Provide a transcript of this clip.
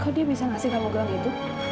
kok dia bisa ngasih kamu gelang gitu